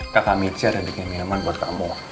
kakak mici ada bikin minuman buat kamu